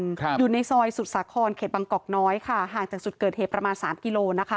ครับอยู่ในซอยสุดสาครเขตบางกอกน้อยค่ะห่างจากจุดเกิดเหตุประมาณสามกิโลนะคะ